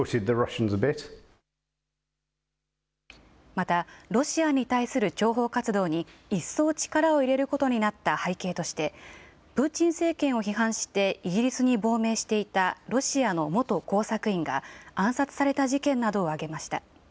また、ロシアに対する諜報活動に一層、力を入れることになった背景としてプーチン政権を批判してイギリスに亡命していたロシアの元工作員が暗殺された事件などを挙げました。